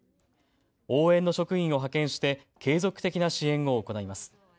応援の職員を派遣して継続的な支援を行います。